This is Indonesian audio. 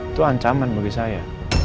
itu ancaman bagi saya